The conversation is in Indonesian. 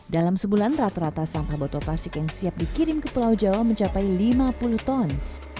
dalam sebulan rata rata sampah botol plastik yang siap dikirim ke pulau jawa mencapai lima puluh ton